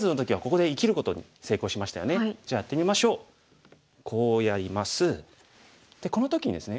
でこの時にですね